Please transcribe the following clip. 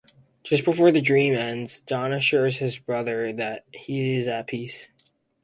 Just before the dream ends, Don assures his brother that he is at peace.